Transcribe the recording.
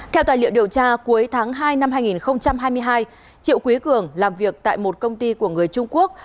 theo tài liệu điều tra cuối tháng hai năm hai nghìn hai mươi hai triệu quý cường làm việc tại một công ty của người trung quốc